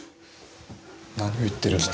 何を言ってるんだ？